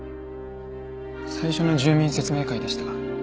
最初の住民説明会でした。